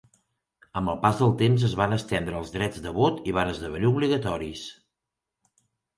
Amb el pas del temps es van estendre els drets de vot i van esdevenir obligatoris.